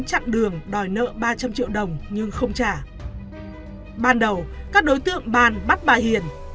chặn đường đòi nợ ba trăm linh triệu đồng nhưng không trả ban đầu các đối tượng bàn bắt bà hiền